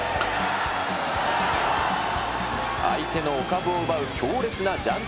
相手のお株を奪う強烈なジャンピ